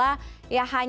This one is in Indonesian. ya hanya memungkinkan